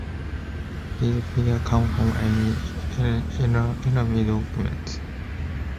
These figures come from army documents.